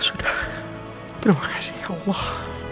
sudah terima kasih allah